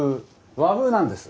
和風なんです。